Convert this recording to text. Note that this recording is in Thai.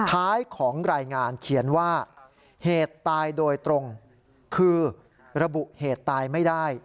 ท้ายของรายงานเขียนว่าเหตุตายโดยตรงคือระบุเหตุตายไม่ได้